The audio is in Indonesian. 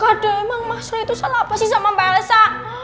mbak elsa emang maksudnya itu salah apa sih sama mbak elsa